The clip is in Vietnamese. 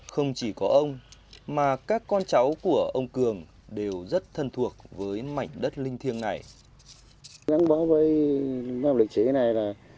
không chỉ có ông mà các con cháu của ông cường đều rất thân thuộc với mảnh đất linh thiêng này